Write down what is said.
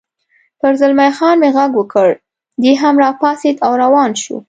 پر زلمی خان مې غږ وکړ، دی هم را پاڅېد او روان شو.